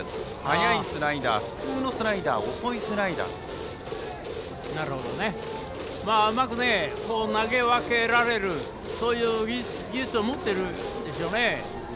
速いスライダー普通のスライダーうまく投げ分けられる技術を持っているんでしょうね。